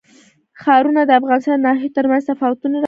ښارونه د افغانستان د ناحیو ترمنځ تفاوتونه رامنځ ته کوي.